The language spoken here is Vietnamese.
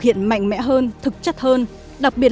hiện mạnh mẽ hơn thực chất hơn đặc biệt